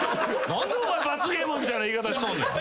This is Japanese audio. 何でお前罰ゲームみたいな言い方しとんねん。